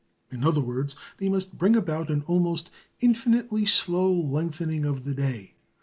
In other words, they must bring about an almost infinitely slow lengthening of the day.